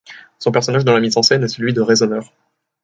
Son personnage dans la mise en scène est celui de raisonneur.